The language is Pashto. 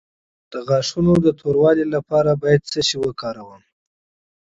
د غاښونو د توروالي لپاره باید څه شی وکاروم؟